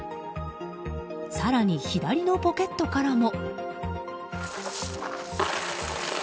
更に、左のポケットからも。